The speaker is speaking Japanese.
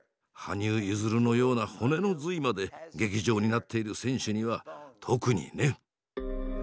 羽生結弦のような骨の髄まで「劇場」になっている選手には特にね。